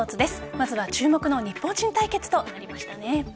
まずは注目の日本人対決となりましたね。